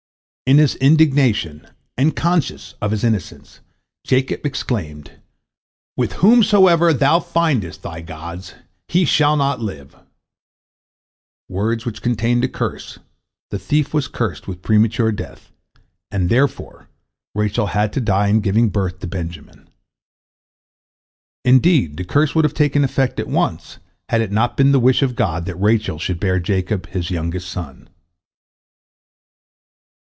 In his indignation, and conscious of his innocence, Jacob exclaimed, "With whomsoever thou findest thy gods, he shall not live," words which contained a curse—the thief was cursed with premature death, and therefore Rachel had to die in giving birth to Benjamin. Indeed, the curse would have taken effect at once, had it not been the wish of God that Rachel should bear Jacob his youngest son.